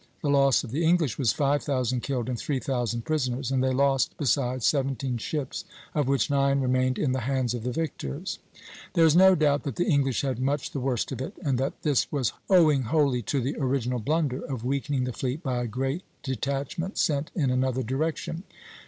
The loss of the English was five thousand killed and three thousand prisoners; and they lost besides seventeen ships, of which nine remained in the hands of the victors." There is no doubt that the English had much the worst of it, and that this was owing wholly to the original blunder of weakening the fleet by a great detachment sent in another direction.